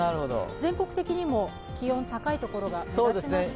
全国的にも気温、高い所が目立ちました。